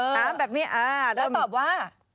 ถามแบบนี้แล้วตอบว่า